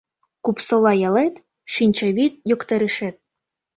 Купсола ялет — шинчавӱд йоктарышет